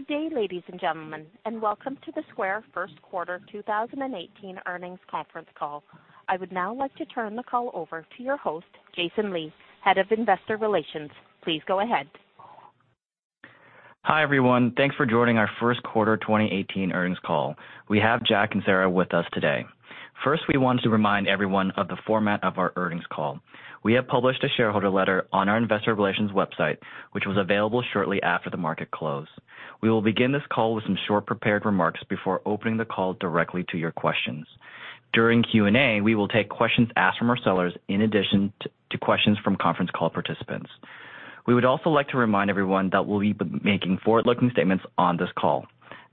Good day, ladies and gentlemen, and welcome to the Square first quarter 2018 earnings conference call. I would now like to turn the call over to your host, Jason Lee, Head of Investor Relations. Please go ahead. Hi, everyone. Thanks for joining our first quarter 2018 earnings call. We have Jack and Sarah with us today. First, we wanted to remind everyone of the format of our earnings call. We have published a shareholder letter on our investor relations website, which was available shortly after the market close. We will begin this call with some short prepared remarks before opening the call directly to your questions. During Q&A, we will take questions asked from our sellers in addition to questions from conference call participants. We would also like to remind everyone that we'll be making forward-looking statements on this call.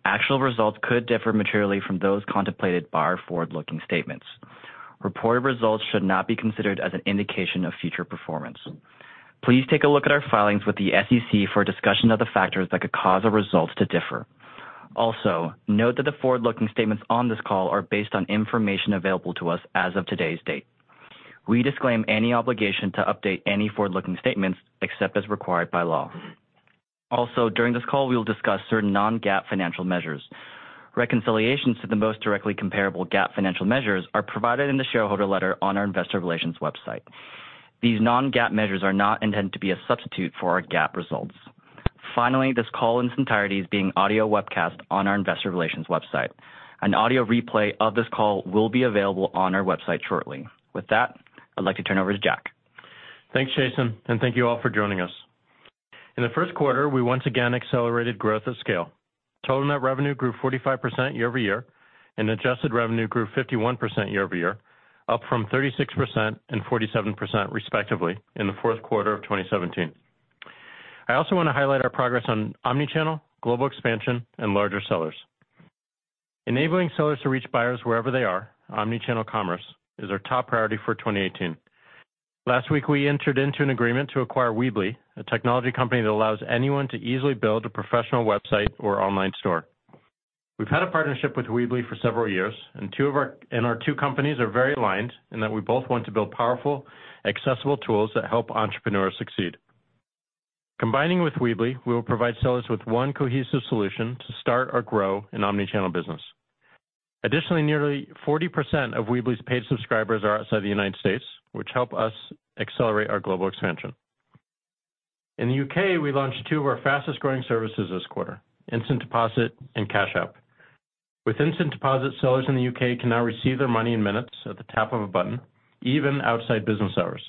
Actual results could differ materially from those contemplated by our forward-looking statements. Reported results should not be considered as an indication of future performance. Please take a look at our filings with the SEC for a discussion of the factors that could cause our results to differ. Also, note that the forward-looking statements on this call are based on information available to us as of today's date. We disclaim any obligation to update any forward-looking statements except as required by law. Also, during this call, we will discuss certain non-GAAP financial measures. Reconciliations to the most directly comparable GAAP financial measures are provided in the shareholder letter on our investor relations website. These non-GAAP measures are not intended to be a substitute for our GAAP results. Finally, this call in its entirety is being audio webcast on our investor relations website. An audio replay of this call will be available on our website shortly. With that, I'd like to turn over to Jack. Thanks, Jason, thank you all for joining us. In the first quarter, we once again accelerated growth at scale. Total net revenue grew 45% year-over-year, and adjusted revenue grew 51% year-over-year, up from 36% and 47% respectively in the fourth quarter of 2017. I also want to highlight our progress on omni-channel, global expansion, and larger sellers. Enabling sellers to reach buyers wherever they are, omni-channel commerce, is our top priority for 2018. Last week, we entered into an agreement to acquire Weebly, a technology company that allows anyone to easily build a professional website or online store. We've had a partnership with Weebly for several years, and our two companies are very aligned in that we both want to build powerful, accessible tools that help entrepreneurs succeed. Combining with Weebly, we will provide sellers with one cohesive solution to start or grow an omni-channel business. Additionally, nearly 40% of Weebly's paid subscribers are outside the U.S., which help us accelerate our global expansion. In the U.K., we launched two of our fastest-growing services this quarter, Instant Deposit and Cash App. With Instant Deposit, sellers in the U.K. can now receive their money in minutes at the tap of a button, even outside business hours.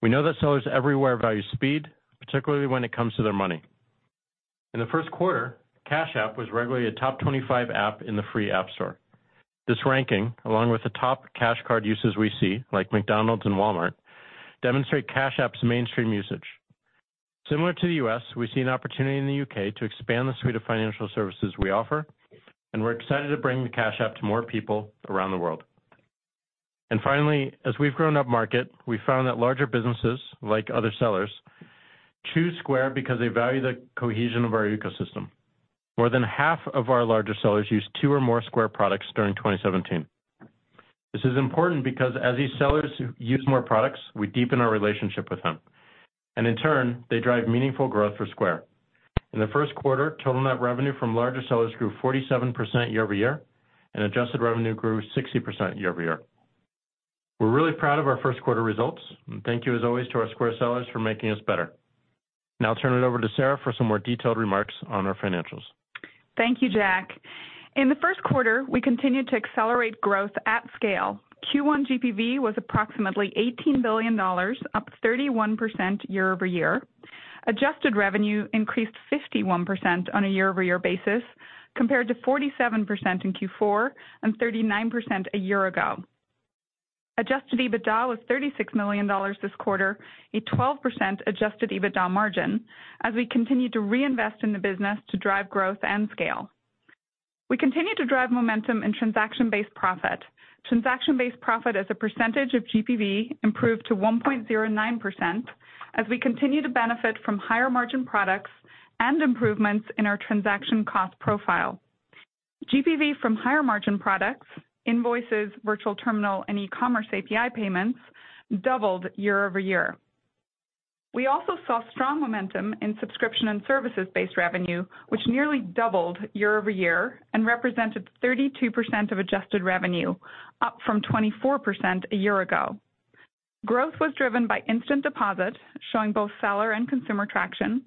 We know that sellers everywhere value speed, particularly when it comes to their money. In the first quarter, Cash App was regularly a top 25 app in the free App Store. This ranking, along with the top Cash Card uses we see, like McDonald's and Walmart, demonstrate Cash App's mainstream usage. Similar to the U.S., we see an opportunity in the U.K. to expand the suite of financial services we offer, and we're excited to bring the Cash App to more people around the world. Finally, as we've grown up market, we found that larger businesses, like other sellers, choose Square because they value the cohesion of our ecosystem. More than half of our larger sellers used two or more Square products during 2017. This is important because as these sellers use more products, we deepen our relationship with them, and in turn, they drive meaningful growth for Square. In the first quarter, total net revenue from larger sellers grew 47% year-over-year, and adjusted revenue grew 60% year-over-year. We're really proud of our first quarter results, and thank you as always to our Square sellers for making us better. Now I'll turn it over to Sarah for some more detailed remarks on our financials. Thank you, Jack. In the first quarter, we continued to accelerate growth at scale. Q1 GPV was approximately $18 billion, up 31% year-over-year. Adjusted revenue increased 51% on a year-over-year basis, compared to 47% in Q4 and 39% a year ago. Adjusted EBITDA was $36 million this quarter, a 12% adjusted EBITDA margin, as we continued to reinvest in the business to drive growth and scale. We continued to drive momentum in transaction-based profit. Transaction-based profit as a percentage of GPV improved to 1.09% as we continue to benefit from higher margin products and improvements in our transaction cost profile. GPV from higher margin products, Invoices, Virtual Terminal, and eCommerce API payments, doubled year-over-year. We also saw strong momentum in subscription and services-based revenue, which nearly doubled year-over-year and represented 32% of adjusted revenue, up from 24% a year ago. Growth was driven by Instant Deposit, showing both seller and consumer traction,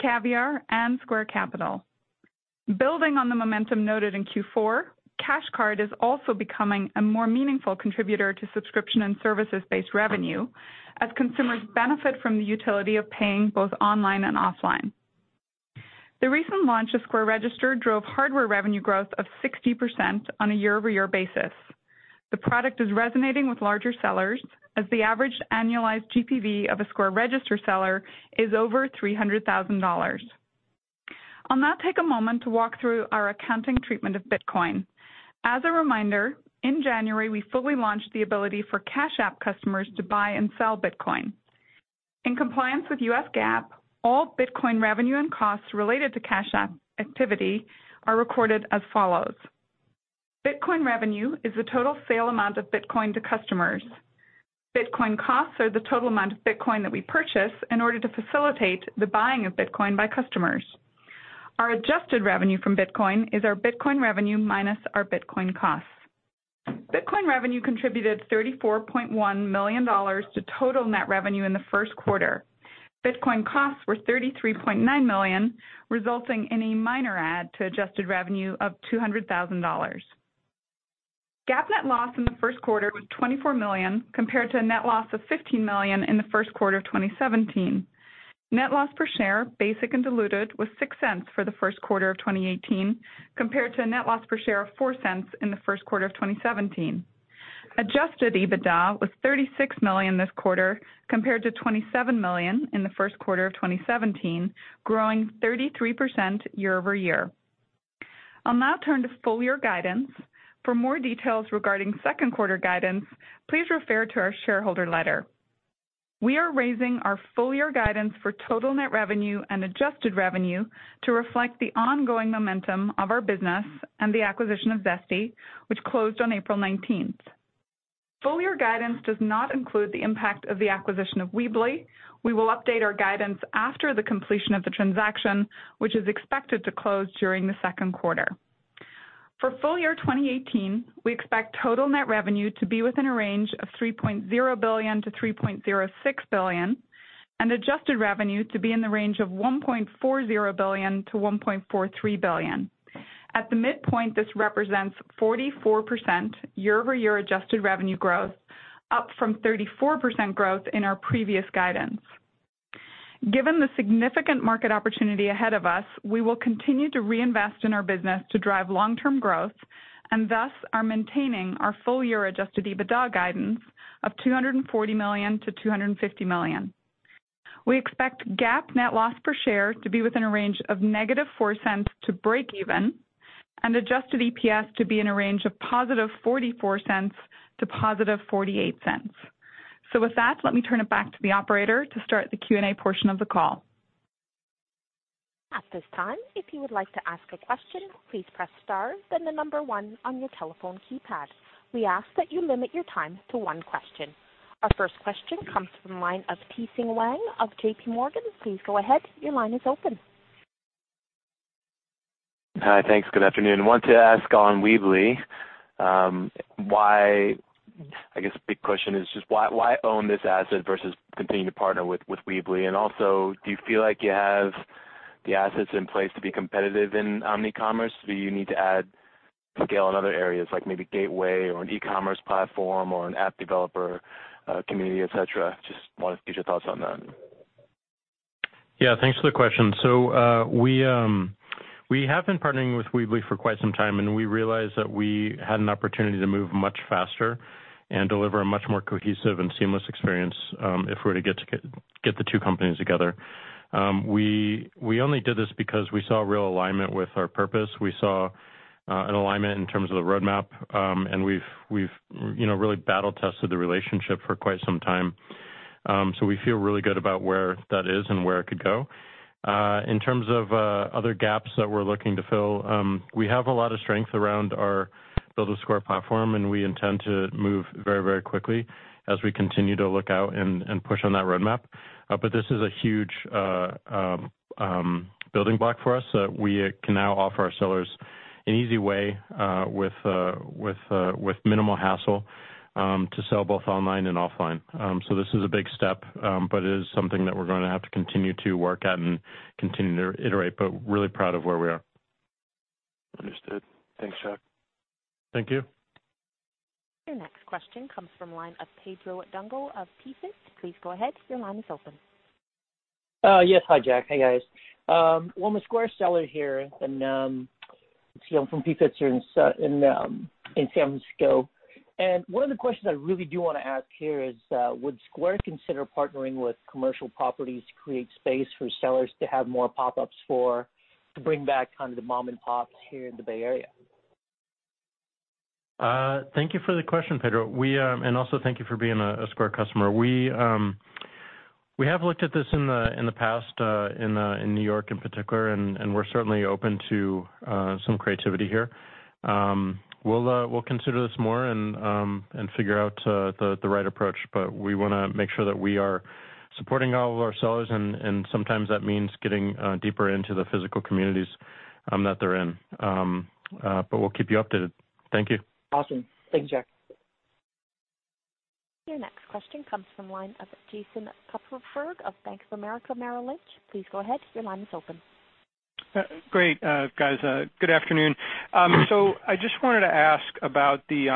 Caviar, and Square Capital. Building on the momentum noted in Q4, Cash Card is also becoming a more meaningful contributor to subscription and services-based revenue as consumers benefit from the utility of paying both online and offline. The recent launch of Square Register drove hardware revenue growth of 60% on a year-over-year basis. The product is resonating with larger sellers as the average annualized GPV of a Square Register seller is over $300,000. I'll now take a moment to walk through our accounting treatment of Bitcoin. As a reminder, in January, we fully launched the ability for Cash App customers to buy and sell Bitcoin. In compliance with US GAAP, all Bitcoin revenue and costs related to Cash App activity are recorded as follows. Bitcoin revenue is the total sale amount of Bitcoin to customers. Bitcoin costs are the total amount of Bitcoin that we purchase in order to facilitate the buying of Bitcoin by customers. Our adjusted revenue from Bitcoin is our Bitcoin revenue minus our Bitcoin costs. Bitcoin revenue contributed $34.1 million to total net revenue in the first quarter. Bitcoin costs were $33.9 million, resulting in a minor add to adjusted revenue of $200,000. GAAP net loss in the first quarter was $24 million, compared to a net loss of $15 million in the first quarter of 2017. Net loss per share, basic and diluted, was $0.06 for the first quarter of 2018, compared to a net loss per share of $0.04 in the first quarter of 2017. Adjusted EBITDA was $36 million this quarter, compared to $27 million in the first quarter of 2017, growing 33% year-over-year. I'll now turn to full-year guidance. For more details regarding second quarter guidance, please refer to our shareholder letter. We are raising our full-year guidance for total net revenue and adjusted revenue to reflect the ongoing momentum of our business and the acquisition of Zesty, which closed on April 19th. Full-year guidance does not include the impact of the acquisition of Weebly. We will update our guidance after the completion of the transaction, which is expected to close during the second quarter. For full year 2018, we expect total net revenue to be within a range of $3.0 billion-$3.06 billion and adjusted revenue to be in the range of $1.40 billion-$1.43 billion. At the midpoint, this represents 44% year-over-year adjusted revenue growth, up from 34% growth in our previous guidance. Given the significant market opportunity ahead of us, we will continue to reinvest in our business to drive long-term growth and thus are maintaining our full-year adjusted EBITDA guidance of $240 million-$250 million. We expect GAAP net loss per share to be within a range of negative $0.04 to breakeven and adjusted EPS to be in a range of positive $0.44 to positive $0.48. With that, let me turn it back to the operator to start the Q&A portion of the call. At this time, if you would like to ask a question, please press star then the number one on your telephone keypad. We ask that you limit your time to one question. Our first question comes from the line of Tien-Tsin Huang of J.P. Morgan. Please go ahead. Your line is open. Hi. Thanks. Good afternoon. I wanted to ask on Weebly. I guess the big question is just why own this asset versus continuing to partner with Weebly? Also, do you feel like you have the assets in place to be competitive in omni-channel? Do you need to add scale in other areas like maybe Gateway or an e-commerce platform or an app developer community, et cetera? Just want to get your thoughts on that. Yeah, thanks for the question. We have been partnering with Weebly for quite some time, and we realized that we had an opportunity to move much faster and deliver a much more cohesive and seamless experience, if we were to get the two companies together. We only did this because we saw real alignment with our purpose. We saw an alignment in terms of the roadmap, and we've really battle tested the relationship for quite some time. We feel really good about where that is and where it could go. In terms of other gaps that we're looking to fill, we have a lot of strength around our Build with Square platform, and we intend to move very quickly as we continue to look out and push on that roadmap. This is a huge building block for us. We can now offer our sellers an easy way, with minimal hassle, to sell both online and offline. This is a big step, but it is something that we're going to have to continue to work at and continue to iterate, but really proud of where we are. Understood. Thanks, Jack. Thank you. Your next question comes from the line of Pedro Dungo of PFITS. Please go ahead. Your line is open. Yes. Hi, Jack. Hey, guys. I'm a Square seller here, and I'm from PFITS here in San Francisco. One of the questions I really do want to ask here is, would Square consider partnering with commercial properties to create space for sellers to have more pop-ups to bring back kind of the mom and pops here in the Bay Area? Thank you for the question, Pedro. Also thank you for being a Square customer. We have looked at this in the past, in N.Y. in particular, we're certainly open to some creativity here. We'll consider this more and figure out the right approach. We want to make sure that we are supporting all of our sellers, and sometimes that means getting deeper into the physical communities that they're in. We'll keep you updated. Thank you. Awesome. Thanks, Jack. Your next question comes from the line of Jason Kupferberg of Bank of America Merrill Lynch. Please go ahead. Your line is open. Great, guys. Good afternoon. I just wanted to ask about the,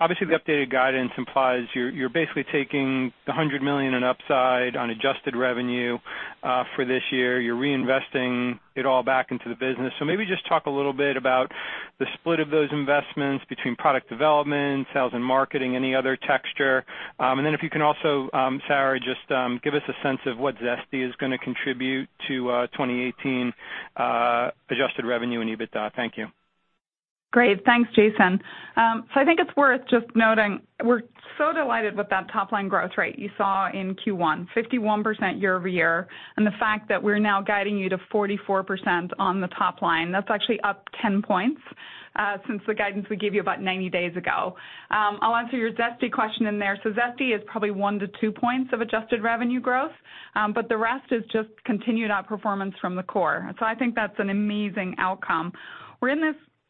obviously, the updated guidance implies you're basically taking the $100 million in upside on adjusted revenue for this year. You're reinvesting it all back into the business. Maybe just talk a little bit about the split of those investments between product development, sales, and marketing, any other texture. Then if you can also, Sarah, just give us a sense of what Zesty is going to contribute to 2018 adjusted revenue and EBITDA. Thank you. Great. Thanks, Jason. I think it's worth just noting, we're so delighted with that top-line growth rate you saw in Q1, 51% year-over-year, and the fact that we're now guiding you to 44% on the top line, that's actually up 10 points. Since the guidance we gave you about 90 days ago. I'll answer your Zesty question in there. Zesty is probably one to two points of adjusted revenue growth, but the rest is just continued outperformance from the core. I think that's an amazing outcome. We're in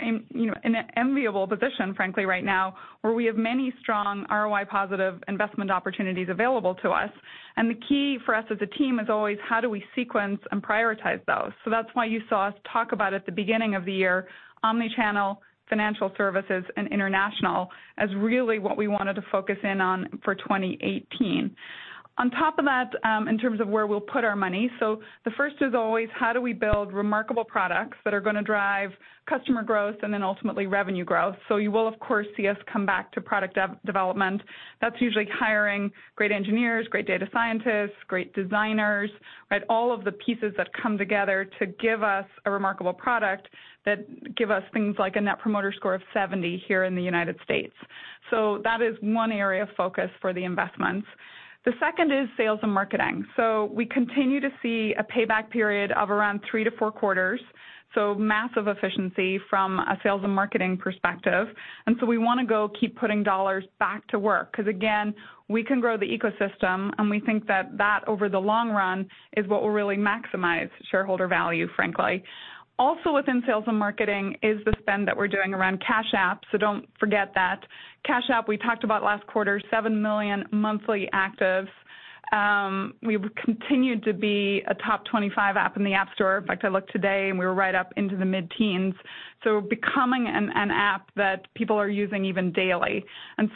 an enviable position, frankly, right now, where we have many strong ROI positive investment opportunities available to us, and the key for us as a team is always how do we sequence and prioritize those. That's why you saw us talk about at the beginning of the year, omni-channel, financial services, and international as really what we wanted to focus in on for 2018. On top of that, in terms of where we'll put our money, the first is always how do we build remarkable products that are going to drive customer growth and then ultimately revenue growth. You will, of course, see us come back to product development. That's usually hiring great engineers, great data scientists, great designers, right? All of the pieces that come together to give us a remarkable product that give us things like a net promoter score of 70 here in the United States. That is one area of focus for the investments. The second is sales and marketing. We continue to see a payback period of around three to four quarters, massive efficiency from a sales and marketing perspective. We want to go keep putting dollars back to work because, again, we can grow the ecosystem, and we think that that, over the long run, is what will really maximize shareholder value, frankly. Also within sales and marketing is the spend that we're doing around Cash App, don't forget that. Cash App, we talked about last quarter, 7 million monthly actives. We've continued to be a top 25 app in the App Store. In fact, I looked today, and we were right up into the mid-teens. Becoming an app that people are using even daily.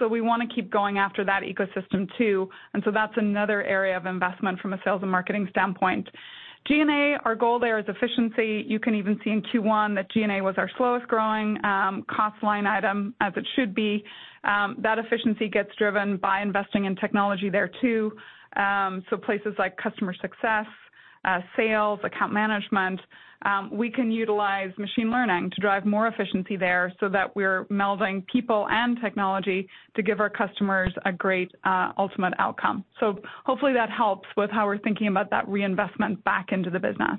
We want to keep going after that ecosystem too. That's another area of investment from a sales and marketing standpoint. G&A, our goal there is efficiency. You can even see in Q1 that G&A was our slowest growing cost line item, as it should be. That efficiency gets driven by investing in technology there too. Places like customer success, sales, account management, we can utilize machine learning to drive more efficiency there that we're melding people and technology to give our customers a great ultimate outcome. Hopefully that helps with how we're thinking about that reinvestment back into the business.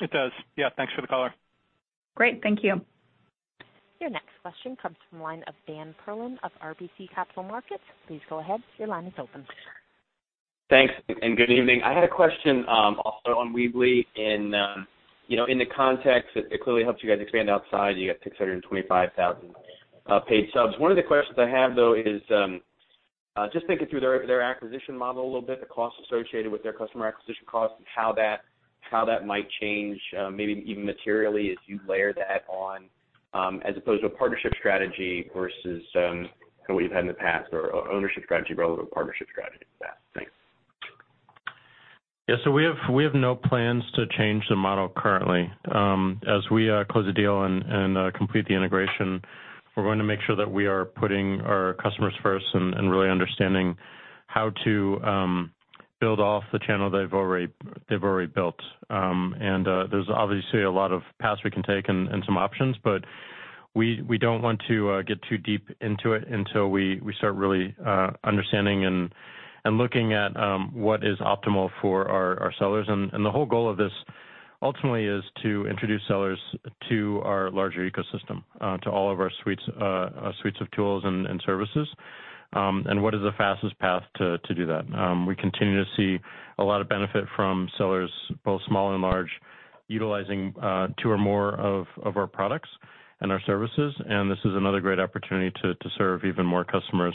It does. Yeah. Thanks for the color. Great. Thank you. Your next question comes from the line of Dan Perlin of RBC Capital Markets. Please go ahead, your line is open. Thanks. Good evening. I had a question also on Weebly in the context that it clearly helps you guys expand outside. You got 625,000 paid subs. One of the questions I have, though, is just thinking through their acquisition model a little bit, the costs associated with their customer acquisition costs and how that might change, maybe even materially as you layer that on, as opposed to a partnership strategy versus what you've had in the past or ownership strategy relevant partnership strategy with that. Thanks. Yeah. We have no plans to change the model currently. As we close the deal and complete the integration, we're going to make sure that we are putting our customers first and really understanding how to build off the channel they've already built. There's obviously a lot of paths we can take and some options, but we don't want to get too deep into it until we start really understanding and looking at what is optimal for our sellers. The whole goal of this ultimately is to introduce sellers to our larger ecosystem, to all of our suites of tools and services, and what is the fastest path to do that. We continue to see a lot of benefit from sellers, both small and large, utilizing two or more of our products and our services, and this is another great opportunity to serve even more customers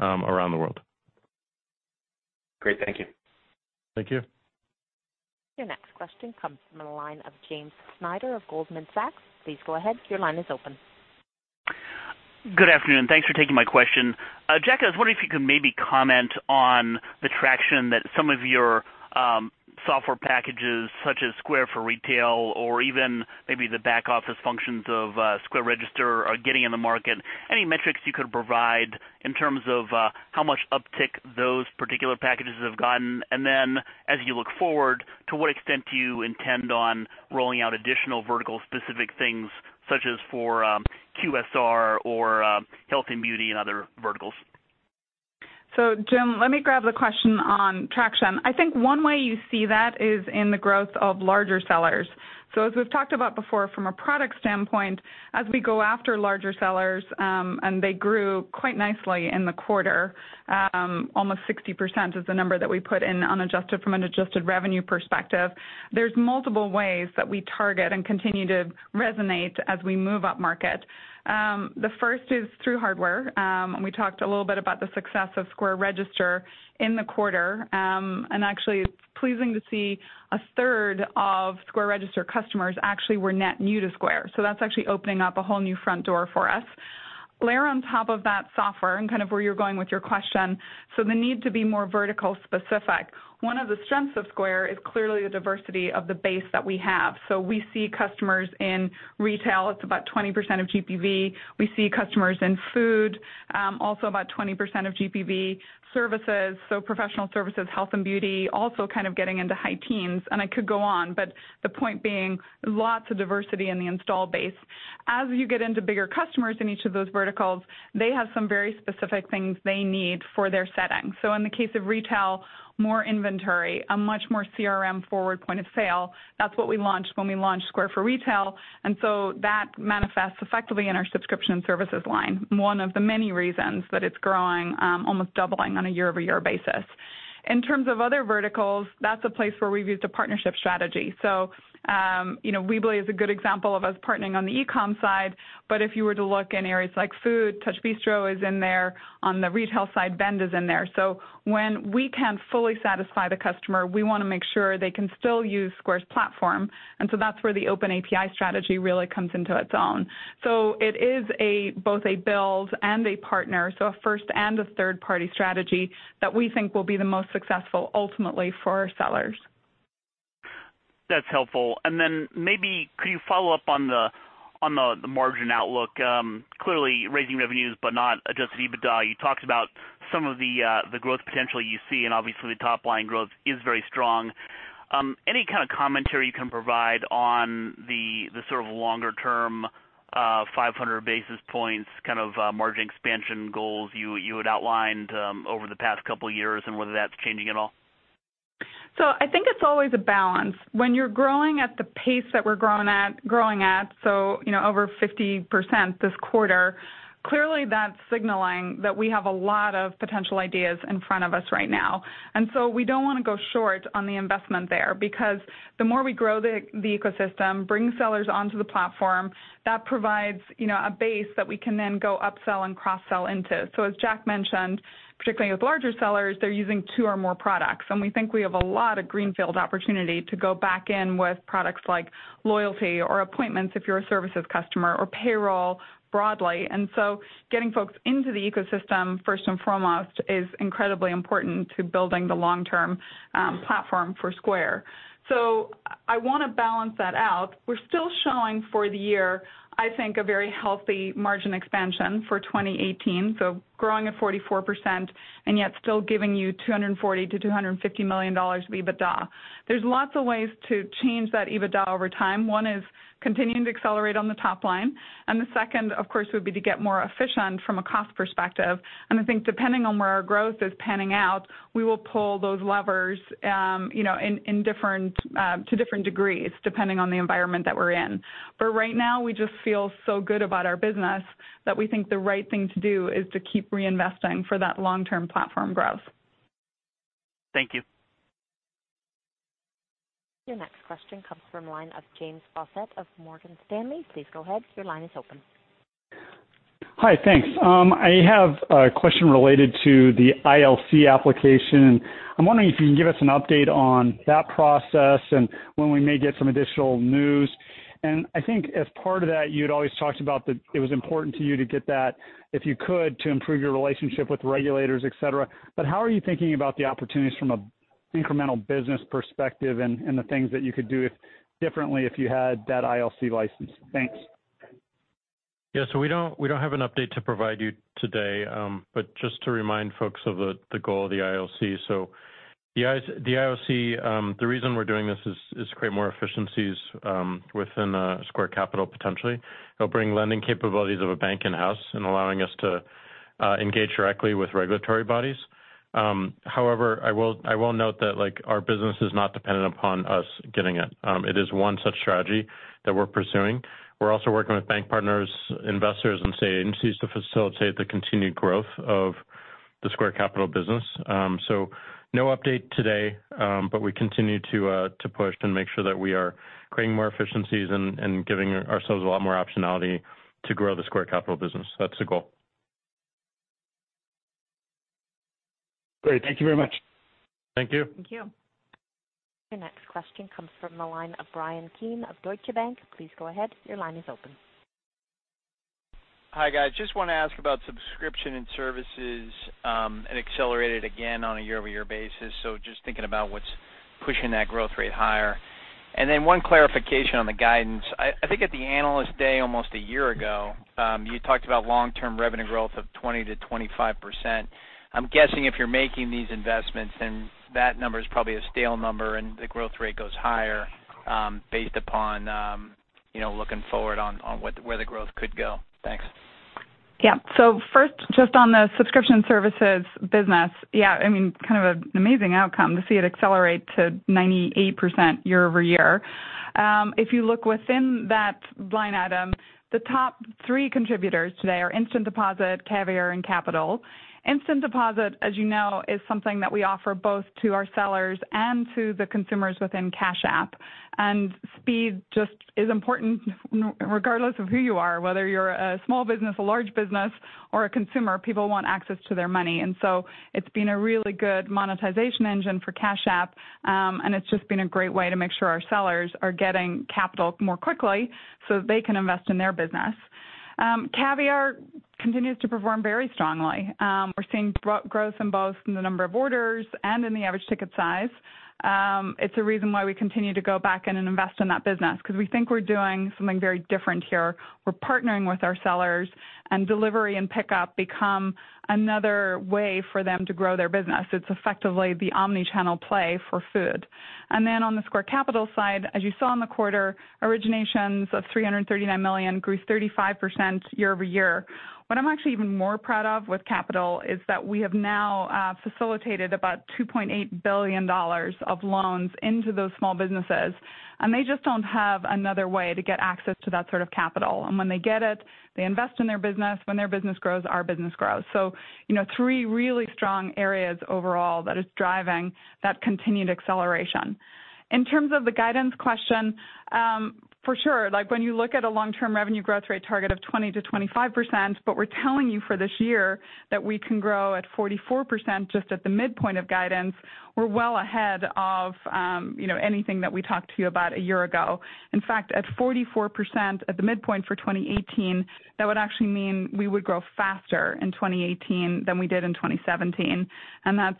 around the world. Great. Thank you. Thank you. Your next question comes from the line of James Schneider of Goldman Sachs. Please go ahead. Your line is open. Good afternoon. Thanks for taking my question. Jack, I was wondering if you could maybe comment on the traction that some of your software packages, such as Square for Retail or even maybe the back office functions of Square Register are getting in the market. Any metrics you could provide in terms of how much uptick those particular packages have gotten. As you look forward, to what extent do you intend on rolling out additional vertical specific things, such as for QSR or health and beauty and other verticals? Jim, let me grab the question on traction. I think one way you see that is in the growth of larger sellers. As we've talked about before from a product standpoint, as we go after larger sellers, and they grew quite nicely in the quarter, almost 60% is the number that we put in from an adjusted revenue perspective. There's multiple ways that we target and continue to resonate as we move up market. The first is through hardware. We talked a little bit about the success of Square Register in the quarter. Actually, it's pleasing to see a third of Square Register customers actually were net new to Square. That's actually opening up a whole new front door for us. Layer on top of that software and kind of where you're going with your question, the need to be more vertical specific. One of the strengths of Square is clearly the diversity of the base that we have. We see customers in retail, it's about 20% of GPV. We see customers in food, also about 20% of GPV. Services, professional services, health and beauty, also kind of getting into high teens. I could go on, but the point being, lots of diversity in the install base. As you get into bigger customers in each of those verticals, they have some very specific things they need for their setting. In the case of retail, more inventory, a much more CRM forward point of sale. That's what we launched when we launched Square for Retail. That manifests effectively in our subscription services line. One of the many reasons that it's growing, almost doubling on a year-over-year basis. In terms of other verticals, that's a place where we've used a partnership strategy. Weebly is a good example of us partnering on the e-com side, but if you were to look in areas like food, TouchBistro is in there. On the retail side, Vend is in there. When we can't fully satisfy the customer, we want to make sure they can still use Square's platform. That's where the OpenAPI strategy really comes into its own. It is both a build and a partner, a first and a third-party strategy, that we think will be the most successful ultimately for our sellers. That's helpful. Maybe could you follow up on the margin outlook? Clearly raising revenues, but not adjusted EBITDA. You talked about some of the growth potential you see, and obviously the top-line growth is very strong. Any kind of commentary you can provide on the sort of longer-term 500 basis points kind of margin expansion goals you had outlined over the past couple of years, and whether that's changing at all? I think it's always a balance. When you're growing at the pace that we're growing at, over 50% this quarter, clearly that's signaling that we have a lot of potential ideas in front of us right now. We don't want to go short on the investment there, because the more we grow the ecosystem, bring sellers onto the platform, that provides a base that we can then go upsell and cross-sell into. As Jack mentioned, particularly with larger sellers, they're using two or more products, and we think we have a lot of greenfield opportunity to go back in with products like loyalty or appointments if you're a services customer, or payroll broadly. Getting folks into the ecosystem first and foremost is incredibly important to building the long-term platform for Square. I want to balance that out. We're still showing for the year, I think, a very healthy margin expansion for 2018, growing at 44% and yet still giving you $240 million-$250 million of EBITDA. There's lots of ways to change that EBITDA over time. One is continuing to accelerate on the top-line, and the second, of course, would be to get more efficient from a cost perspective. I think depending on where our growth is panning out, we will pull those levers to different degrees, depending on the environment that we're in. Right now, we just feel so good about our business that we think the right thing to do is to keep reinvesting for that long-term platform growth. Thank you. Your next question comes from the line of James Faucette of Morgan Stanley. Please go ahead, your line is open. Hi, thanks. I have a question related to the ILC application. I'm wondering if you can give us an update on that process and when we may get some additional news. I think as part of that, you'd always talked about that it was important to you to get that, if you could, to improve your relationship with regulators, et cetera. How are you thinking about the opportunities from an incremental business perspective and the things that you could do differently if you had that ILC license? Thanks. Yeah, we don't have an update to provide you today, but just to remind folks of the goal of the ILC. The ILC, the reason we're doing this is to create more efficiencies within Square Capital, potentially. It'll bring lending capabilities of a bank in-house and allowing us to engage directly with regulatory bodies. However, I will note that our business is not dependent upon us getting it. It is one such strategy that we're pursuing. We're also working with bank partners, investors, and state agencies to facilitate the continued growth of the Square Capital business. No update today, but we continue to push and make sure that we are creating more efficiencies and giving ourselves a lot more optionality to grow the Square Capital business. That's the goal. Great. Thank you very much. Thank you. Thank you. Your next question comes from the line of Bryan Keane of Deutsche Bank. Please go ahead, your line is open. Hi, guys. Just want to ask about subscription and services. It accelerated again on a year-over-year basis, so just thinking about what's pushing that growth rate higher. One clarification on the guidance. I think at the Analyst Day almost a year ago, you talked about long-term revenue growth of 20%-25%. I'm guessing if you're making these investments, then that number is probably a stale number and the growth rate goes higher based upon looking forward on where the growth could go. Thanks. Yeah. First, just on the subscription services business, yeah, kind of an amazing outcome to see it accelerate to 98% year-over-year. If you look within that line item, the top three contributors today are Instant Deposit, Caviar, and Capital. Instant Deposit, as you know, is something that we offer both to our sellers and to the consumers within Cash App. Speed just is important regardless of who you are, whether you're a small business, a large business, or a consumer, people want access to their money. It's been a really good monetization engine for Cash App, and it's just been a great way to make sure our sellers are getting capital more quickly so that they can invest in their business. Caviar continues to perform very strongly. We're seeing growth in both in the number of orders and in the average ticket size. It's a reason why we continue to go back in and invest in that business, because we think we're doing something very different here. We're partnering with our sellers, and delivery and pickup become another way for them to grow their business. It's effectively the omni-channel play for food. On the Square Capital side, as you saw in the quarter, originations of $339 million grew 35% year-over-year. What I'm actually even more proud of with Capital is that we have now facilitated about $2.8 billion of loans into those small businesses, and they just don't have another way to get access to that sort of capital. When they get it, they invest in their business. When their business grows, our business grows. Three really strong areas overall that is driving that continued acceleration. In terms of the guidance question, for sure, when you look at a long-term revenue growth rate target of 20%-25%, but we're telling you for this year that we can grow at 44%, just at the midpoint of guidance, we're well ahead of anything that we talked to you about a year ago. In fact, at 44% at the midpoint for 2018, that would actually mean we would grow faster in 2018 than we did in 2017. That's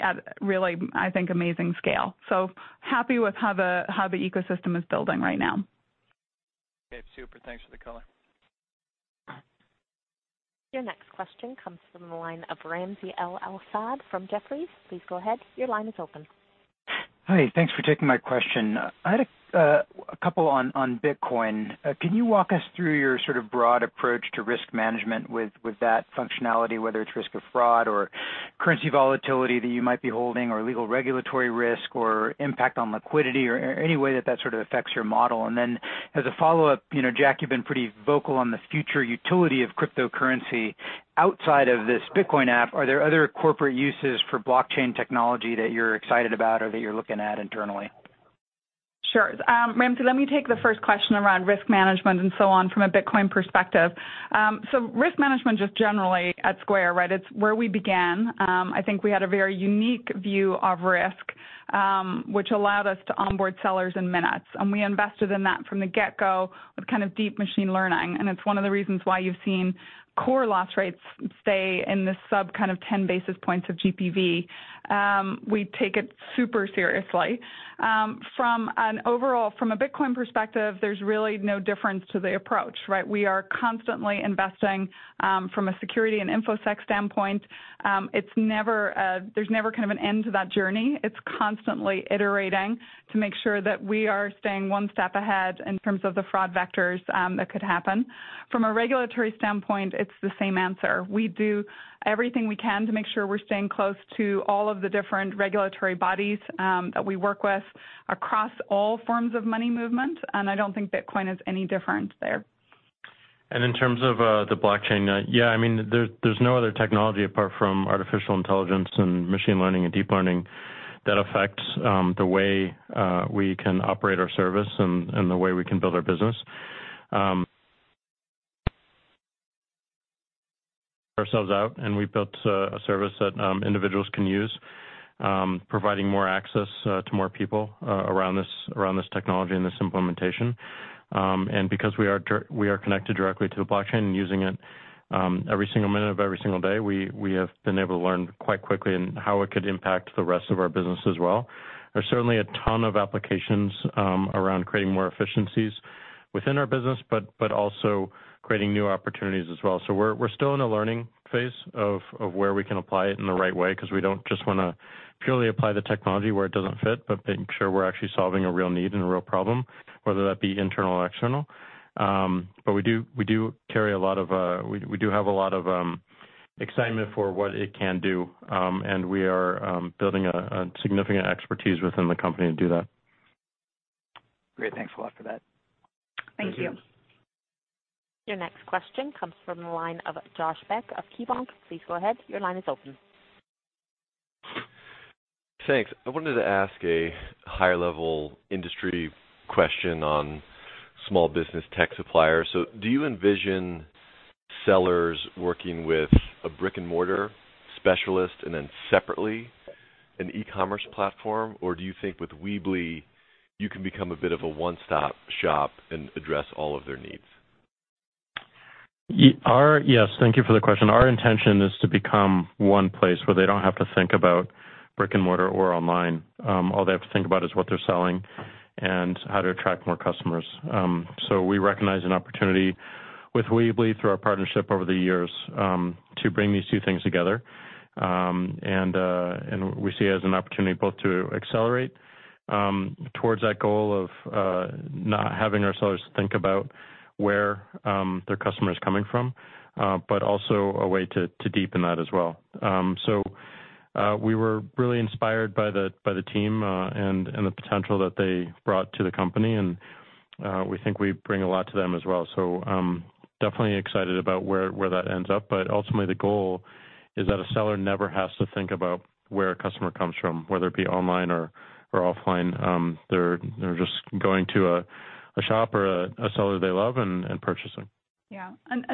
at really, I think, amazing scale. Happy with how the ecosystem is building right now. Okay. Super. Thanks for the color. Your next question comes from the line of Ramsey El-Assal from Jefferies. Please go ahead. Your line is open. Hi. Thanks for taking my question. I had a couple on Bitcoin. Can you walk us through your sort of broad approach to risk management with that functionality, whether it's risk of fraud or currency volatility that you might be holding or legal regulatory risk or impact on liquidity or any way that that sort of affects your model? And then as a follow-up, Jack, you've been pretty vocal on the future utility of cryptocurrency outside of this Bitcoin app. Are there other corporate uses for blockchain technology that you're excited about or that you're looking at internally? Sure. Ramsey, let me take the first question around risk management and so on from a Bitcoin perspective. Risk management just generally at Square, right, it's where we began. I think we had a very unique view of risk, which allowed us to onboard sellers in minutes. We invested in that from the get-go with kind of deep machine learning, and it's one of the reasons why you've seen core loss rates stay in the sub 10 basis points of GPV. We take it super seriously. From a Bitcoin perspective, there's really no difference to the approach, right? We are constantly investing from a security and InfoSec standpoint. There's never kind of an end to that journey. It's constantly iterating to make sure that we are staying one step ahead in terms of the fraud vectors that could happen. From a regulatory standpoint, it's the same answer. We do everything we can to make sure we're staying close to all of the different regulatory bodies that we work with across all forms of money movement. I don't think Bitcoin is any different there. In terms of the blockchain, there's no other technology apart from artificial intelligence and machine learning and deep learning that affects the way we can operate our service and the way we can build our business. We built a service that individuals can use, providing more access to more people around this technology and this implementation. Because we are connected directly to the blockchain and using it every single minute of every single day, we have been able to learn quite quickly in how it could impact the rest of our business as well. There's certainly a ton of applications around creating more efficiencies within our business, also creating new opportunities as well. We're still in a learning phase of where we can apply it in the right way because we don't just want to purely apply the technology where it doesn't fit, making sure we're actually solving a real need and a real problem, whether that be internal or external. We do have a lot of excitement for what it can do. We are building a significant expertise within the company to do that. Great. Thanks a lot for that. Thank you. Thank you. Your next question comes from the line of Josh Beck of KeyBanc. Please go ahead. Your line is open. Thanks. I wanted to ask a high-level industry question on small business tech suppliers. Do you envision sellers working with a brick-and-mortar specialist and then separately an e-commerce platform? Or do you think with Weebly you can become a bit of a one-stop shop and address all of their needs? Yes. Thank you for the question. Our intention is to become one place where they don't have to think about brick and mortar or online. All they have to think about is what they're selling and how to attract more customers. We recognize an opportunity with Weebly through our partnership over the years to bring these two things together. We see it as an opportunity both to accelerate towards that goal of not having our sellers think about where their customer is coming from, but also a way to deepen that as well. We were really inspired by the team and the potential that they brought to the company, and we think we bring a lot to them as well. Definitely excited about where that ends up, but ultimately the goal is that a seller never has to think about where a customer comes from, whether it be online or offline. They're just going to a shop or a seller they love and purchasing. Yeah.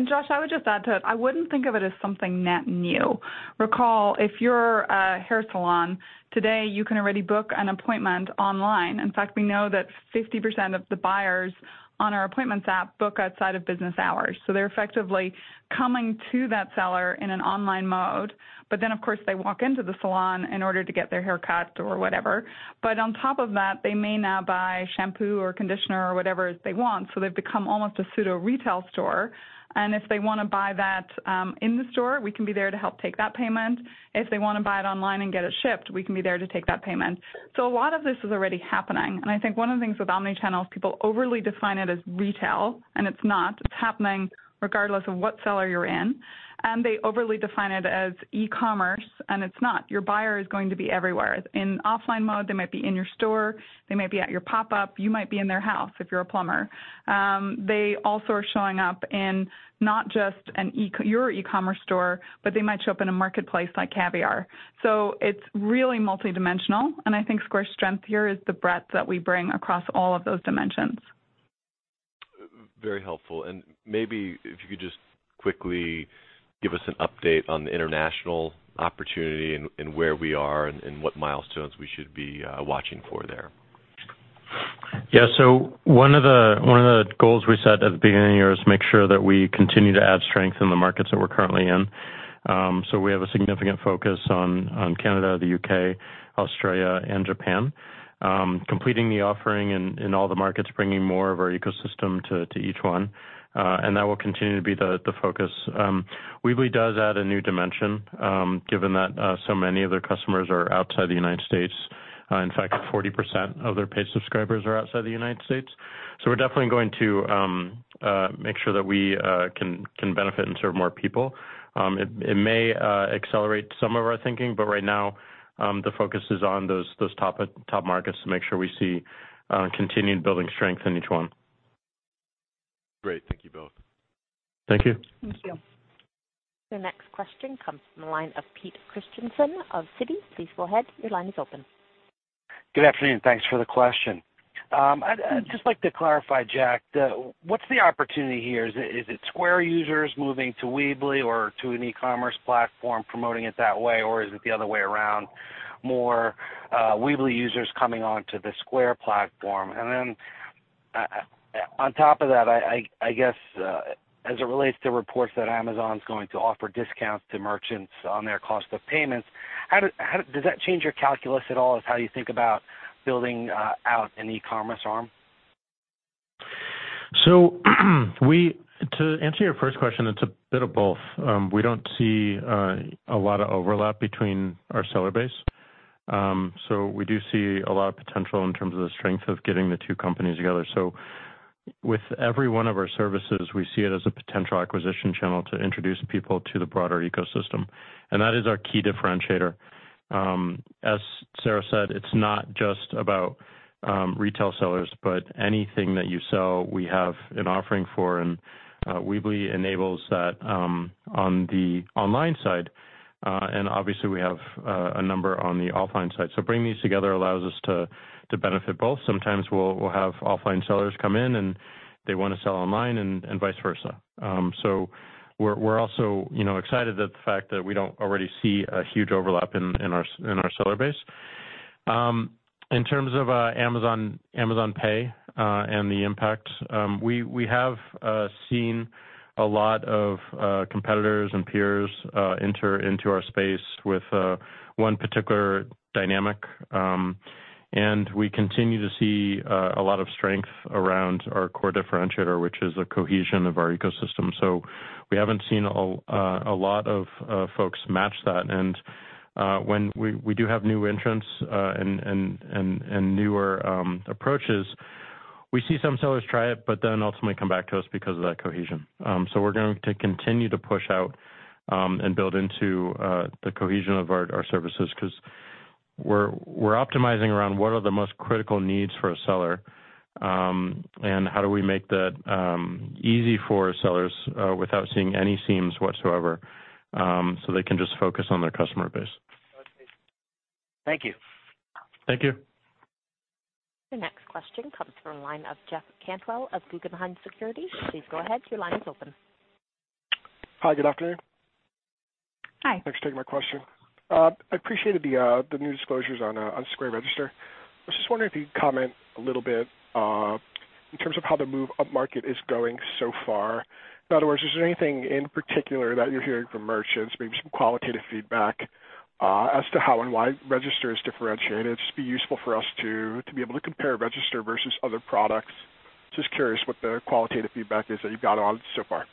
Josh, I would just add to it, I wouldn't think of it as something net new. Recall, if you're a hair salon today, you can already book an appointment online. In fact, we know that 50% of the buyers on our appointments app book outside of business hours. They're effectively coming to that seller in an online mode, but then of course they walk into the salon in order to get their haircut or whatever. On top of that, they may now buy shampoo or conditioner or whatever it is they want. They've become almost a pseudo retail store, and if they want to buy that in the store, we can be there to help take that payment. If they want to buy it online and get it shipped, we can be there to take that payment. A lot of this is already happening, and I think one of the things with omni-channel is people overly define it as retail, and it's not. It's happening regardless of what seller you're in, and they overly define it as e-commerce, and it's not. Your buyer is going to be everywhere. In offline mode, they might be in your store, they might be at your pop-up, you might be in their house if you're a plumber. They also are showing up in not just your e-commerce store, but they might show up in a marketplace like Caviar. It's really multidimensional, and I think Square's strength here is the breadth that we bring across all of those dimensions. Very helpful. Maybe if you could just quickly give us an update on the international opportunity and where we are, and what milestones we should be watching for there. One of the goals we set at the beginning of the year is make sure that we continue to add strength in the markets that we're currently in. We have a significant focus on Canada, the U.K., Australia, and Japan. Completing the offering in all the markets, bringing more of our ecosystem to each one, and that will continue to be the focus. Weebly does add a new dimension, given that so many of their customers are outside the United States. In fact, 40% of their paid subscribers are outside the United States. We're definitely going to make sure that we can benefit and serve more people. It may accelerate some of our thinking, right now, the focus is on those top markets to make sure we see continued building strength in each one. Great. Thank you both. Thank you. Thank you. Your next question comes from the line of Peter Christiansen of Citi. Please go ahead. Your line is open. Good afternoon. Thanks for the question. I'd just like to clarify, Jack, what's the opportunity here? Is it Square users moving to Weebly or to an e-commerce platform promoting it that way, or is it the other way around, more Weebly users coming onto the Square platform? Then, on top of that, I guess, as it relates to reports that Amazon's going to offer discounts to merchants on their cost of payments, does that change your calculus at all of how you think about building out an e-commerce arm? To answer your first question, it's a bit of both. We don't see a lot of overlap between our seller base. We do see a lot of potential in terms of the strength of getting the two companies together. With every one of our services, we see it as a potential acquisition channel to introduce people to the broader ecosystem. That is our key differentiator. As Sarah said, it's not just about retail sellers, but anything that you sell, we have an offering for, and Weebly enables that on the online side. Obviously, we have a number on the offline side. Bringing these together allows us to benefit both. Sometimes we'll have offline sellers come in, and they want to sell online and vice versa. We're also excited at the fact that we don't already see a huge overlap in our seller base. In terms of Amazon Pay, and the impact, we have seen a lot of competitors and peers enter into our space with one particular dynamic. We continue to see a lot of strength around our core differentiator, which is the cohesion of our ecosystem. We haven't seen a lot of folks match that. When we do have new entrants and newer approaches, we see some sellers try it, ultimately come back to us because of that cohesion. We're going to continue to push out, and build into the cohesion of our services, because we're optimizing around what are the most critical needs for a seller, and how do we make that easy for sellers without seeing any seams whatsoever, so they can just focus on their customer base. Thank you. Thank you. Your next question comes from the line of Jeff Cantwell of Guggenheim Securities. Please go ahead. Your line is open. Hi, good afternoon. Hi. Thanks for taking my question. I appreciated the new disclosures on Square Register. I was just wondering if you'd comment a little bit, in terms of how the move upmarket is going so far. In other words, is there anything in particular that you're hearing from merchants, maybe some qualitative feedback, as to how and why Register is differentiated? It'd just be useful for us to be able to compare Register versus other products. Just curious what the qualitative feedback is that you've got on it so far.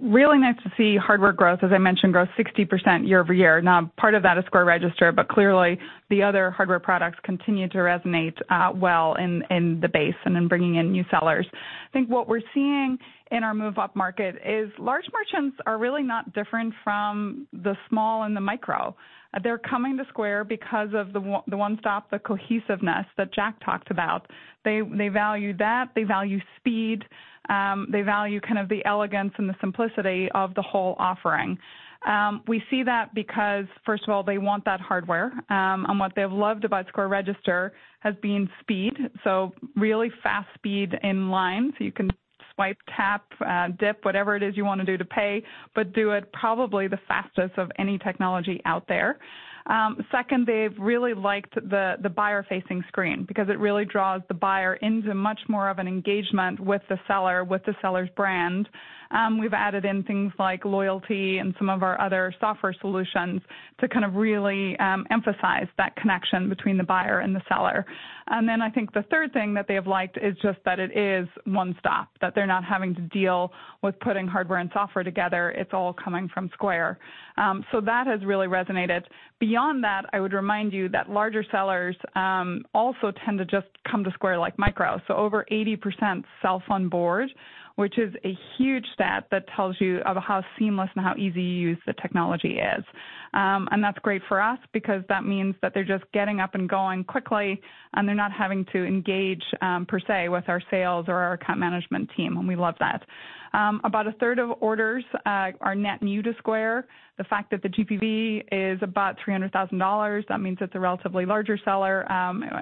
Really nice to see hardware growth, as I mentioned, grow 60% year-over-year. Now, part of that is Square Register, but clearly the other hardware products continue to resonate well in the base and in bringing in new sellers. I think what we're seeing in our move upmarket is large merchants are really not different from the small and the micro. They're coming to Square because of the one-stop, the cohesiveness that Jack talked about. They value that. They value speed. They value kind of the elegance and the simplicity of the whole offering. We see that because, first of all, they want that hardware. What they have loved about Square Register has been speed, so really fast speed in line, so you can Swipe, tap, dip, whatever it is you want to do to pay, but do it probably the fastest of any technology out there. Second, they've really liked the buyer-facing screen because it really draws the buyer into much more of an engagement with the seller, with the seller's brand. We've added in things like loyalty and some of our other software solutions to kind of really emphasize that connection between the buyer and the seller. Then I think the third thing that they have liked is just that it is one-stop, that they're not having to deal with putting hardware and software together. It's all coming from Square. That has really resonated. Beyond that, I would remind you that larger sellers also tend to just come to Square like micro. Over 80% self-onboard, which is a huge stat that tells you of how seamless and how easy to use the technology is. That's great for us because that means that they're just getting up and going quickly, and they're not having to engage, per se, with our sales or our account management team, and we love that. About a third of orders are net new to Square. The fact that the GPV is about $300,000, that means it's a relatively larger seller,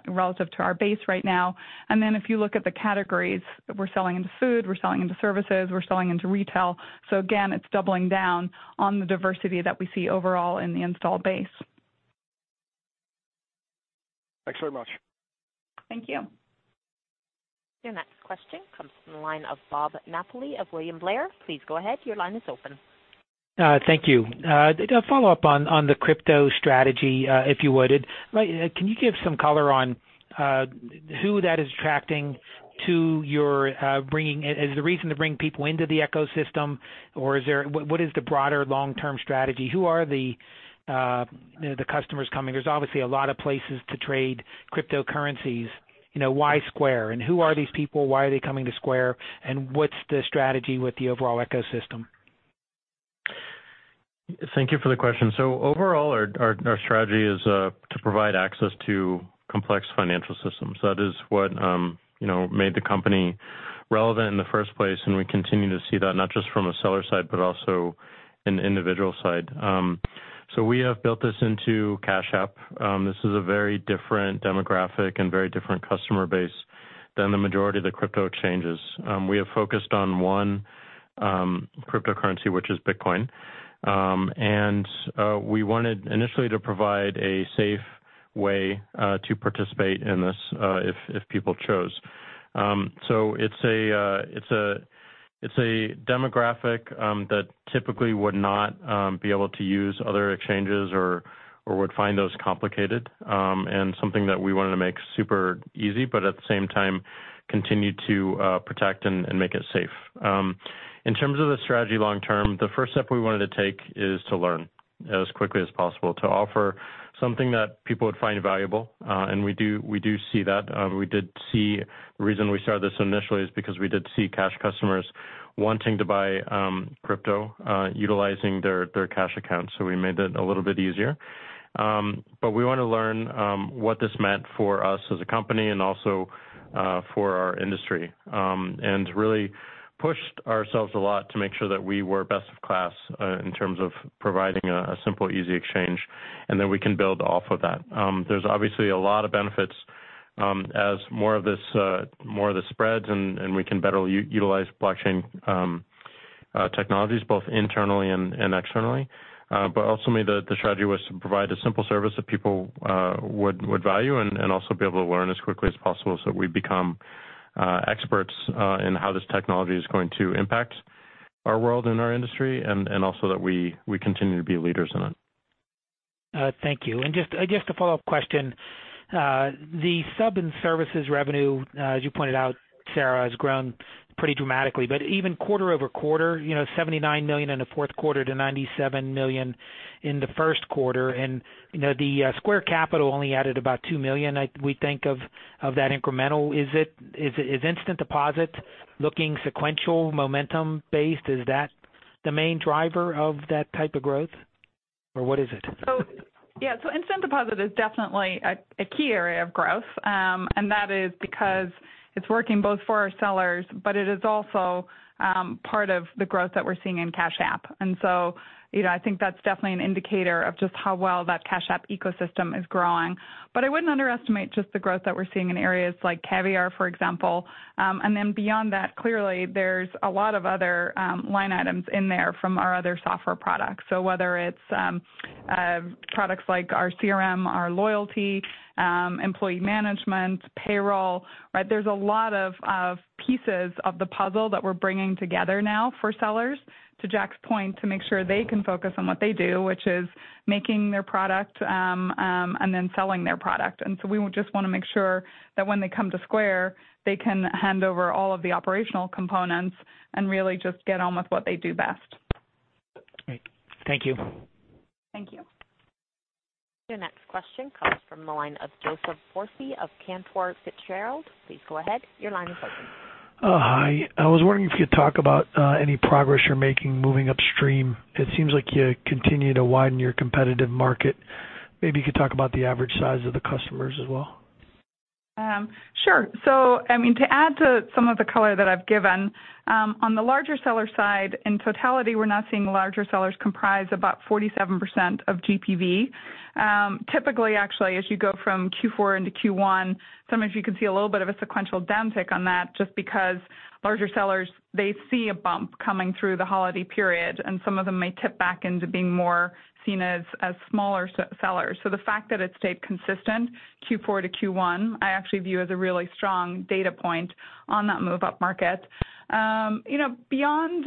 relative to our base right now. If you look at the categories, we're selling into food, we're selling into services, we're selling into retail. Again, it's doubling down on the diversity that we see overall in the installed base. Thanks very much. Thank you. Your next question comes from the line of Robert Napoli of William Blair. Please go ahead. Your line is open. Thank you. A follow-up on the crypto strategy, if you would. Can you give some color on who that is attracting to your bringing? Is the reason to bring people into the ecosystem or what is the broader long-term strategy? Who are the customers coming? There's obviously a lot of places to trade cryptocurrencies. Why Square and who are these people? Why are they coming to Square? What's the strategy with the overall ecosystem? Thank you for the question. Overall, our strategy is to provide access to complex financial systems. That is what made the company relevant in the first place, and we continue to see that not just from a seller side, but also an individual side. We have built this into Cash App. This is a very different demographic and very different customer base than the majority of the crypto exchanges. We have focused on one cryptocurrency, which is Bitcoin. We wanted initially to provide a safe way to participate in this, if people chose. It's a demographic that typically would not be able to use other exchanges or would find those complicated, and something that we wanted to make super easy, but at the same time, continue to protect and make it safe. In terms of the strategy long term, the first step we wanted to take is to learn as quickly as possible to offer something that people would find valuable, and we do see that. The reason we started this initially is because we did see Cash customers wanting to buy crypto, utilizing their Cash accounts, so we made that a little bit easier. We want to learn what this meant for us as a company and also for our industry, and really pushed ourselves a lot to make sure that we were best of class in terms of providing a simple, easy exchange, and then we can build off of that. There's obviously a lot of benefits, as more of this spreads and we can better utilize blockchain technologies both internally and externally. Ultimately, the strategy was to provide a simple service that people would value and also be able to learn as quickly as possible so we become experts in how this technology is going to impact our world and our industry, and also that we continue to be leaders in it. Thank you. Just a follow-up question. The sub and services revenue, as you pointed out, Sarah, has grown pretty dramatically, but even quarter-over-quarter, $79 million in a fourth quarter to $97 million in the first quarter. The Square Capital only added about $2 million, we think, of that incremental. Is Instant Deposit looking sequential momentum based? Is that the main driver of that type of growth, or what is it? Yeah. Instant Deposit is definitely a key area of growth, that is because it's working both for our sellers, it is also part of the growth that we're seeing in Cash App. I think that's definitely an indicator of just how well that Cash App ecosystem is growing. I wouldn't underestimate just the growth that we're seeing in areas like Caviar, for example. Beyond that, clearly, there's a lot of other line items in there from our other software products. Whether it's products like our CRM, our loyalty, employee management, payroll, there's a lot of pieces of the puzzle that we're bringing together now for sellers, to Jack's point, to make sure they can focus on what they do, which is making their product, selling their product. We just want to make sure that when they come to Square, they can hand over all of the operational components and really just get on with what they do best. Great. Thank you. Thank you. Your next question comes from the line of Joseph Foresi of Cantor Fitzgerald. Please go ahead. Your line is open. Hi. I was wondering if you could talk about any progress you're making moving upstream. It seems like you continue to widen your competitive market. Maybe you could talk about the average size of the customers as well. Sure. To add to some of the color that I've given, on the larger seller side, in totality, we're now seeing larger sellers comprise about 47% of GPV. Typically, actually, as you go from Q4 into Q1, sometimes you can see a little bit of a sequential downtick on that just because larger sellers, they see a bump coming through the holiday period, and some of them may tip back into being more seen as smaller sellers. The fact that it stayed consistent Q4 to Q1, I actually view as a really strong data point on that move-up market. Beyond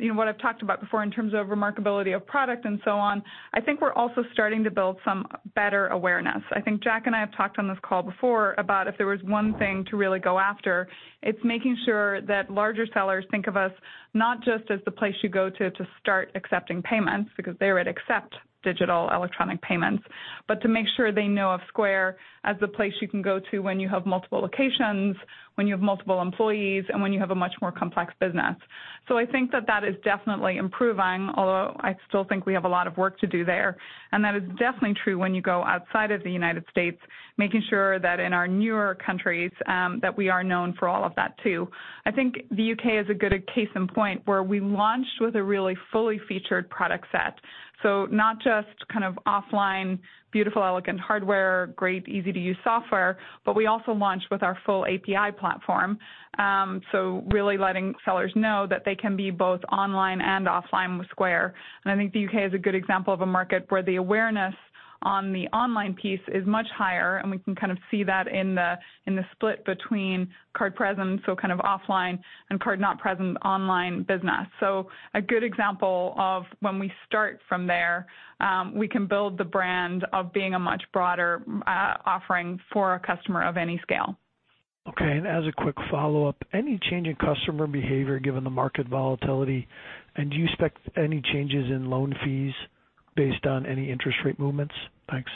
what I've talked about before in terms of remarkability of product and so on, I think we're also starting to build some better awareness. I think Jack and I have talked on this call before about if there was one thing to really go after, it's making sure that larger sellers think of us not just as the place you go to to start accepting payments, because they already accept digital electronic payments, but to make sure they know of Square as the place you can go to when you have multiple locations, when you have multiple employees, and when you have a much more complex business. I think that that is definitely improving, although I still think we have a lot of work to do there. That is definitely true when you go outside of the U.S., making sure that in our newer countries, that we are known for all of that too. I think the U.K. is a good case in point, where we launched with a really fully featured product set. Not just offline, beautiful, elegant hardware, great, easy-to-use software, but we also launched with our full API platform. Really letting sellers know that they can be both online and offline with Square. I think the U.K. is a good example of a market where the awareness on the online piece is much higher, and we can kind of see that in the split between card present, so kind of offline, and card not present online business. A good example of when we start from there, we can build the brand of being a much broader offering for a customer of any scale. Okay, as a quick follow-up, any change in customer behavior given the market volatility, and do you expect any changes in loan fees based on any interest rate movements? Thanks.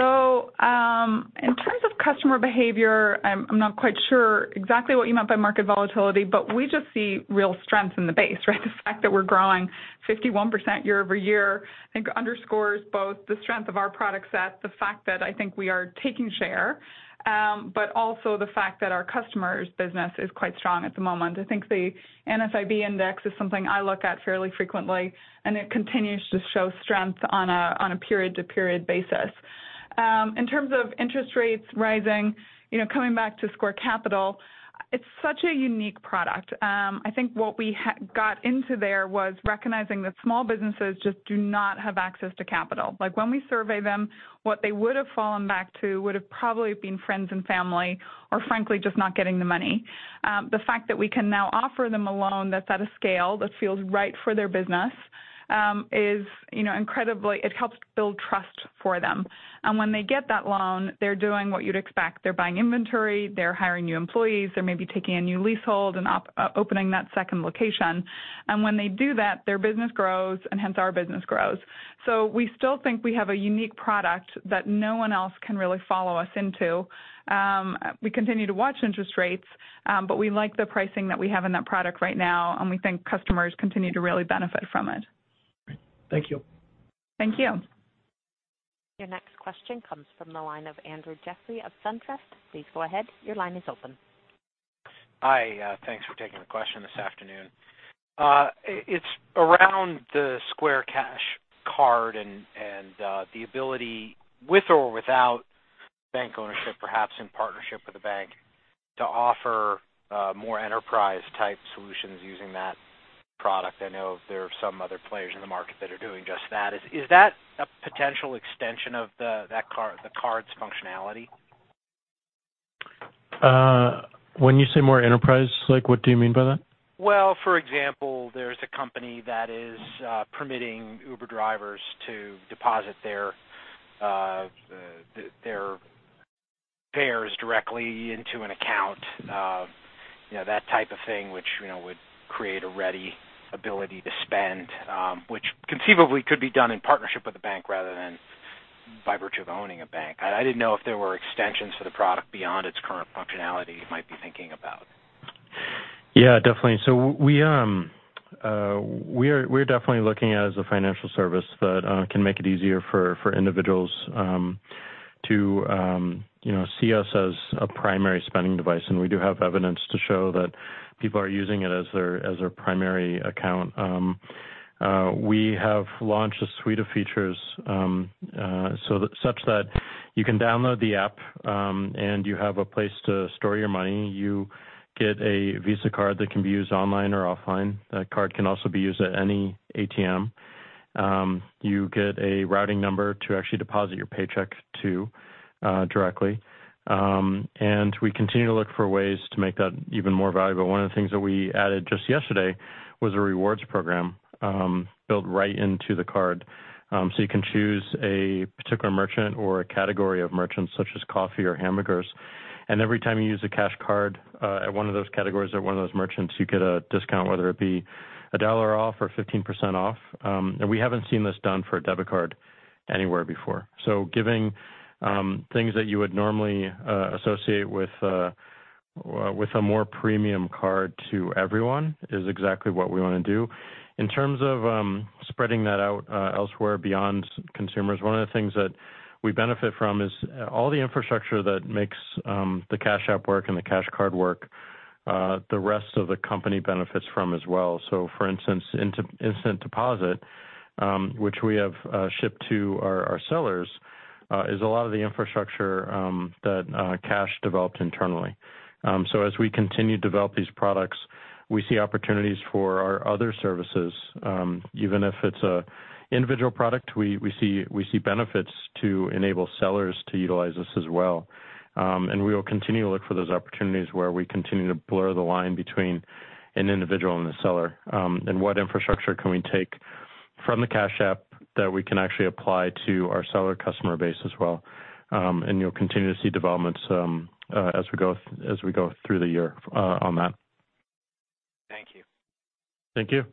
In terms of customer behavior, I'm not quite sure exactly what you meant by market volatility, but we just see real strength in the base, right? The fact that we're growing 51% year-over-year, I think underscores both the strength of our product set, the fact that I think we are taking share, but also the fact that our customers' business is quite strong at the moment. I think the NFIB index is something I look at fairly frequently, it continues to show strength on a period-to-period basis. In terms of interest rates rising, coming back to Square Capital, it's such a unique product. I think what we got into there was recognizing that small businesses just do not have access to capital. When we survey them, what they would've fallen back to would've probably been friends and family, or frankly, just not getting the money. The fact that we can now offer them a loan that's at a scale that feels right for their business, it helps build trust for them. When they get that loan, they're doing what you'd expect. They're buying inventory, they're hiring new employees, they're maybe taking a new leasehold and opening that second location. When they do that, their business grows, and hence, our business grows. We still think we have a unique product that no one else can really follow us into. We continue to watch interest rates, but we like the pricing that we have in that product right now, and we think customers continue to really benefit from it. Great. Thank you. Thank you. Your next question comes from the line of Andrew Jeffrey of SunTrust. Please go ahead. Your line is open. Hi. Thanks for taking the question this afternoon. It's around the Square Cash Card and the ability, with or without bank ownership, perhaps in partnership with a bank, to offer more enterprise type solutions using that product. I know there are some other players in the market that are doing just that. Is that a potential extension of the Card's functionality? When you say more enterprise-like, what do you mean by that? Well, for example, there's a company that is permitting Uber drivers to deposit their fares directly into an account, that type of thing, which would create a ready ability to spend, which conceivably could be done in partnership with a bank rather than by virtue of owning a bank. I didn't know if there were extensions for the product beyond its current functionality you might be thinking about. Yeah, definitely. We're definitely looking at it as a financial service that can make it easier for individuals to see us as a primary spending device, and we do have evidence to show that people are using it as their primary account. We have launched a suite of features such that you can download the app, and you have a place to store your money. You get a Visa Card that can be used online or offline. That Card can also be used at any ATM. You get a routing number to actually deposit your paycheck to directly. We continue to look for ways to make that even more valuable. One of the things that we added just yesterday was a rewards program built right into the Card. You can choose a particular merchant or a category of merchants, such as coffee or hamburgers, and every time you use a Cash Card at one of those categories or one of those merchants, you get a discount, whether it be a dollar off or 15% off. We haven't seen this done for a debit card anywhere before. Giving things that you would normally associate with a more premium card to everyone is exactly what we want to do. In terms of spreading that out elsewhere beyond consumers, one of the things that we benefit from is all the infrastructure that makes the Cash App work and the Cash Card work, the rest of the company benefits from as well. For instance, Instant Deposit, which we have shipped to our sellers, is a lot of the infrastructure that Cash developed internally. As we continue to develop these products, we see opportunities for our other services. Even if it's an individual product, we see benefits to enable sellers to utilize us as well. We will continue to look for those opportunities where we continue to blur the line between an individual and a seller, and what infrastructure can we take from the Cash App that we can actually apply to our seller customer base as well. You'll continue to see developments as we go through the year on that. Thank you. Thank you.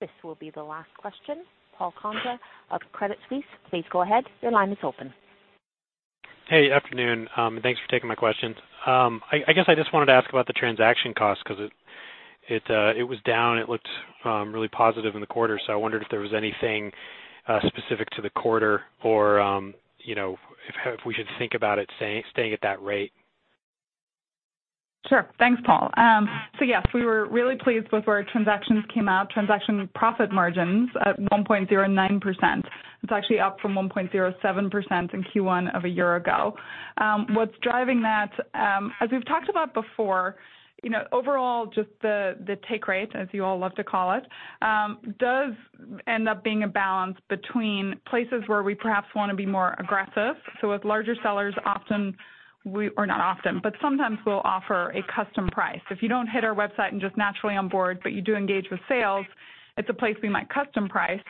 This will be the last question. Paul Condra of Credit Suisse, please go ahead. Your line is open. Hey, afternoon. Thanks for taking my questions. I guess I just wanted to ask about the transaction cost because it was down. It looked really positive in the quarter. I wondered if there was anything specific to the quarter or if we should think about it staying at that rate. Sure. Thanks, Paul. Yes, we were really pleased with where transactions came out, transaction profit margins at 1.09%. It's actually up from 1.07% in Q1 of a year ago. What's driving that, as we've talked about before, overall just the take rate, as you all love to call it, does end up being a balance between places where we perhaps want to be more aggressive. With larger sellers, often, or not often, but sometimes we'll offer a custom price. If you don't hit our website and just naturally onboard, but you do engage with sales, it's a place we might custom price.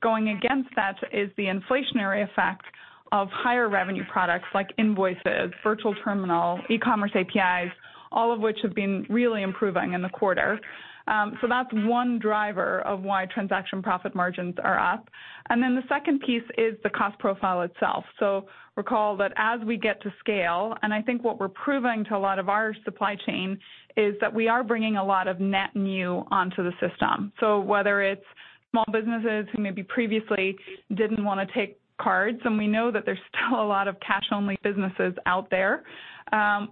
Going against that is the inflationary effect of higher revenue products like invoices, virtual terminal, e-commerce APIs, all of which have been really improving in the quarter. That's one driver of why transaction profit margins are up. The second piece is the cost profile itself. Recall that as we get to scale, and I think what we're proving to a lot of our supply chain is that we are bringing a lot of net new onto the system. Whether it's small businesses who maybe previously didn't want to take cards, and we know that there's still a lot of cash-only businesses out there,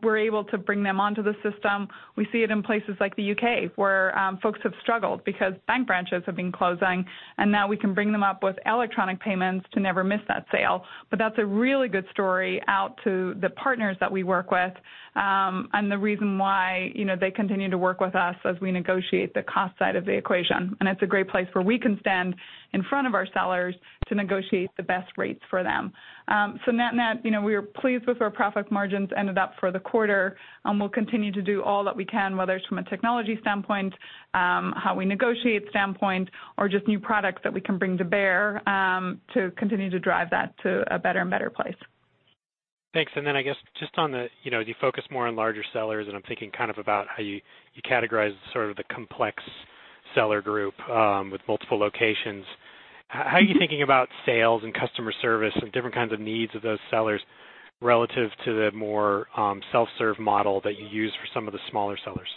we're able to bring them onto the system. We see it in places like the U.K., where folks have struggled because bank branches have been closing, and now we can bring them up with electronic payments to never miss that sale. That's a really good story out to the partners that we work with, and the reason why they continue to work with us as we negotiate the cost side of the equation. It's a great place where we can stand in front of our sellers to negotiate the best rates for them. Net-net, we were pleased with our profit margins ended up for the quarter, and we'll continue to do all that we can, whether it's from a technology standpoint, how we negotiate standpoint, or just new products that we can bring to bear to continue to drive that to a better and better place. Thanks. I guess just you focus more on larger sellers, and I'm thinking kind of about how you categorize sort of the complex seller group with multiple locations. How are you thinking about sales and customer service and different kinds of needs of those sellers relative to the more self-serve model that you use for some of the smaller sellers?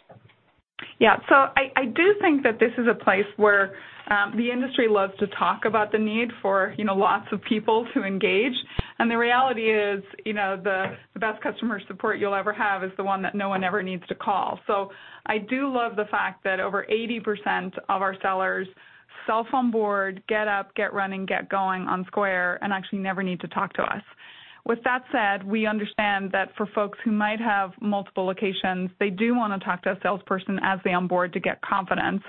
I do think that this is a place where the industry loves to talk about the need for lots of people to engage. The reality is, the best customer support you'll ever have is the one that no one ever needs to call. I do love the fact that over 80% of our sellers self-onboard, get up, get running, get going on Square, and actually never need to talk to us. With that said, we understand that for folks who might have multiple locations, they do want to talk to a salesperson as they onboard to get confidence.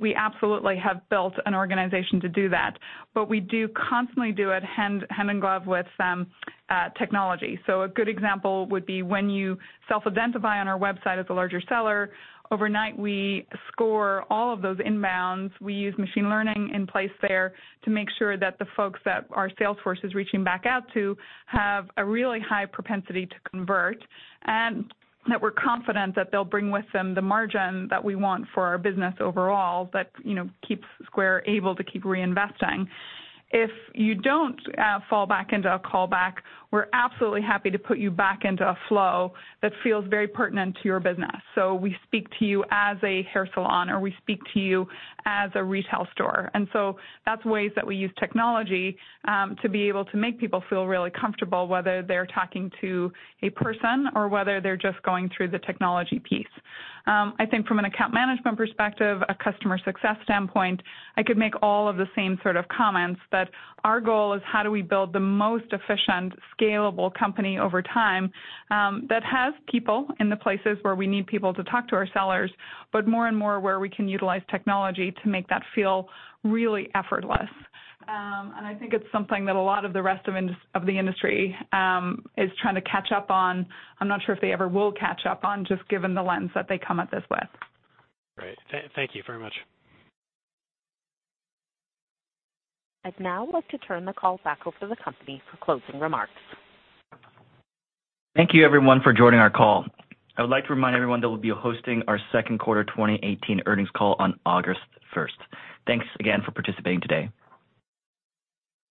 We absolutely have built an organization to do that. We do constantly do it hand in glove with technology. A good example would be when you self-identify on our website as a larger seller, overnight, we score all of those inbounds. We use machine learning in place there to make sure that the folks that our sales force is reaching back out to have a really high propensity to convert, and that we're confident that they'll bring with them the margin that we want for our business overall that keeps Square able to keep reinvesting. If you don't fall back into a call back, we're absolutely happy to put you back into a flow that feels very pertinent to your business. We speak to you as a hair salon, or we speak to you as a retail store. That's ways that we use technology to be able to make people feel really comfortable, whether they're talking to a person or whether they're just going through the technology piece. I think from an account management perspective, a customer success standpoint, I could make all of the same sort of comments, but our goal is how do we build the most efficient, scalable company over time that has people in the places where we need people to talk to our sellers, but more and more where we can utilize technology to make that feel really effortless. I think it's something that a lot of the rest of the industry is trying to catch up on. I'm not sure if they ever will catch up on just given the lens that they come at this with. Great. Thank you very much. I'd now like to turn the call back over to the company for closing remarks. Thank you, everyone, for joining our call. I would like to remind everyone that we'll be hosting our second quarter 2018 earnings call on August 1st. Thanks again for participating today.